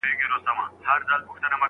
کړئ او موږ ته یې وښایاست.